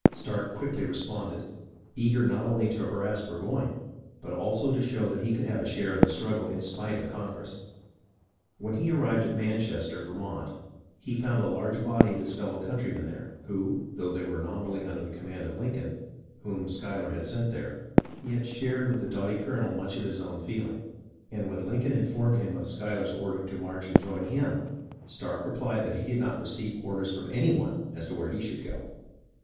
Stark quickly responded, eager not only to harass Burgoyne, but also to show that he could have a share in the struggle in spite of Congress. When he arrived at Manchester (Vermont), he found a large body of his fellow countrymen there, who, though they were nominally under the command of Lincoln, whom Schuyler had sent there, yet shared with the doughty colonel much of his own feeling ; and when Lin coln informed him of Schuyler's order to march to join 1 86 BENNINGTON 1 87 him, Stark replied that he did not receive orders from any one as to where he should go.